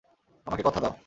আমাকে কথা দাও।